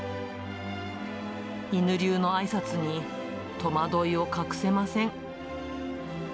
犬流のあいさつに、戸惑いを隠せません。